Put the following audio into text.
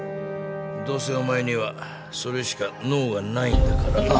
どうせお前にはそれしか能がないんだからな。